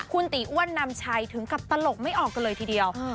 คุณตีอ้วนนำชัยถึงกับตลกไม่ออกกันเลยทีเดียว